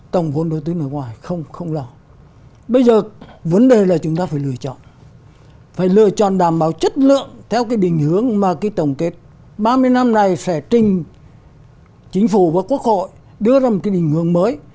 theo cái định hướng mà cái tổng kết ba mươi năm này sẽ trình chính phủ và quốc hội đưa ra một cái định hướng mới